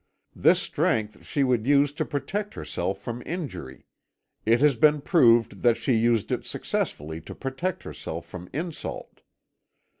This strength she would use to protect herself from injury: it has been proved that she used it successfully to protect herself from insult.